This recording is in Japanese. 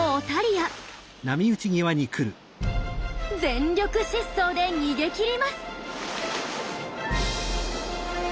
全力疾走で逃げきります。